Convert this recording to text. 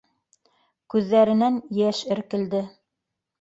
Күҙҙәренән йәш эркелде.